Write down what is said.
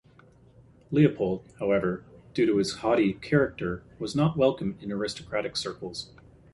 Leopold, however, due to his "haughty" character, was not welcome in aristocratic circles.